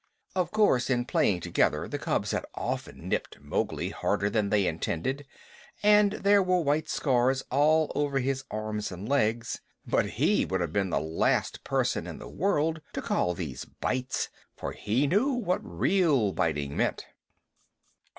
Of course, in playing together, the cubs had often nipped Mowgli harder than they intended, and there were white scars all over his arms and legs. But he would have been the last person in the world to call these bites, for he knew what real biting meant.